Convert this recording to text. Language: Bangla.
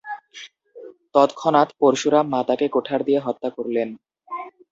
তৎক্ষণাৎ পরশুরাম মাতাকে কুঠার দিয়ে হত্যা করলেন।